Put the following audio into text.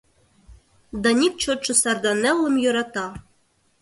Даник чотшо сарданеллым йӧрата.